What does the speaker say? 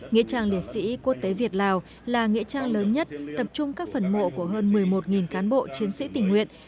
nghĩa trang liệt sĩ quốc tế việt lào là nghĩa trang lớn nhất tập trung các phần mộ của hơn một mươi một cán bộ chiến sĩ tình nguyện